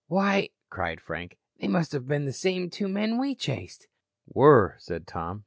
"Why," cried Frank, "they must have been the same two men we chased." "Were," said Tom.